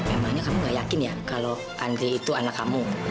emangnya kamu gak yakin ya kalau andre itu anak kamu